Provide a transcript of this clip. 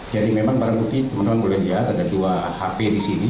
jadi memang barang bukti teman teman boleh lihat ada dua hp di sini